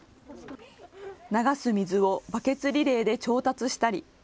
流す水をバケツリレーで調達したり。